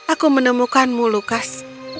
aku menemukanmu lukas